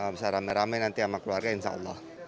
bisa ramai ramai nanti sama keluarga insyaallah